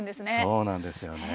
そうなんですよね。